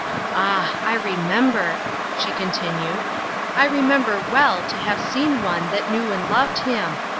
Ah! I remember,' she continued, 'I remember well to have seen one that knew and loved him.